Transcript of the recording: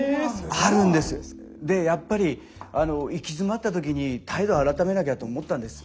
やっぱり行き詰まった時に態度改めなきゃと思ったんです。